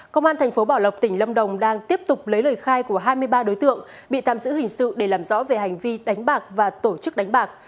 công an thành phố bảo lộc tỉnh lâm đồng đang tiếp tục lấy lời khai của hai mươi ba đối tượng bị tạm giữ hình sự để làm rõ về hành vi đánh bạc và tổ chức đánh bạc